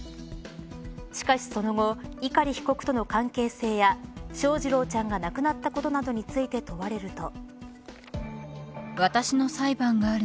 しかし、その後碇被告との関係性や翔士郎ちゃんが亡くなったことなどについて問われると。